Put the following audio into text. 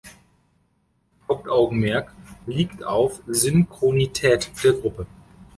Hauptaugenmerk liegt auf Synchronität der Gruppe.